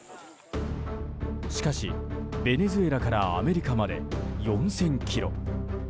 しかし、ベネズエラからアメリカまで４０００ｋｍ。